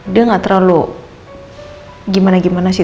dia nggak terlalu gimana gimana sih